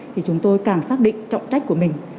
thì chúng tôi càng xác định trọng trách của mình